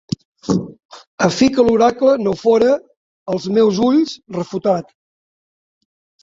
A fi que l'oracle no fóra, als meus ulls, refutat.